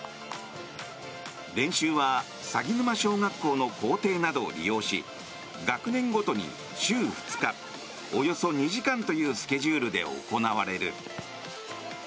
練習は鷺沼小学校の校庭などを利用し学年ごとに週２日およそ２時間というスケジュールで行われる。